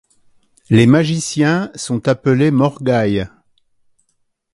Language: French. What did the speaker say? Les magiciens sont appelés morgaïs.